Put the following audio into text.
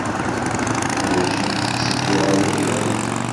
Werǧin tetteddu ɣer yigrawen.